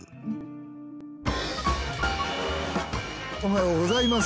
おはようございます。